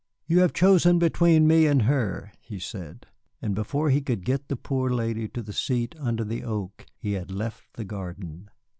"You have chosen between me and her," he said; and before we could get the poor lady to the seat under the oak, he had left the garden.